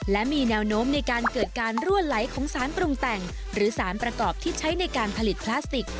และมีแนวโน้มในการเกิดการรั่วไหลของสารปรุงแต่งหรือสารประกอบที่ใช้ในการผลิตพลาสติก